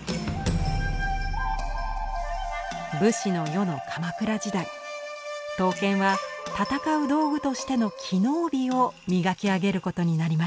武士の世の鎌倉時代刀剣は戦う道具としての機能美を磨き上げることになりました。